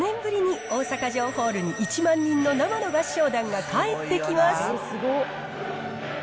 この冬、４年ぶりに大阪城ホールに１万人の生の合唱団が帰ってきます。